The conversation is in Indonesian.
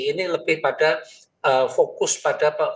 ini lebih pada fokus pada